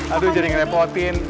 aduh jadi ngerepotin